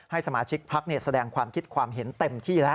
สมาชิกพักแสดงความคิดความเห็นเต็มที่แล้ว